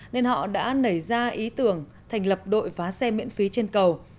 nên họ đã nảy ra ý tưởng thành lập đội phá xe miễn phí trên cầu